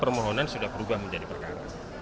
permohonan sudah berubah menjadi perkara